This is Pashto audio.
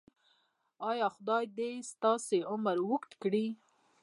ایا خدای دې ستاسو عمر اوږد کړي؟